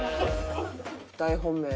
大本命。